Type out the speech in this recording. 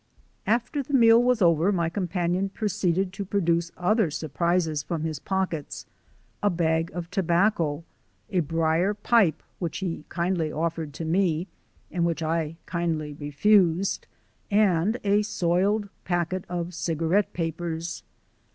After the meal was over my companion proceeded to produce other surprises from his pockets a bag of tobacco, a brier pipe (which he kindly offered to me and which I kindly refused), and a soiled packet of cigarette papers.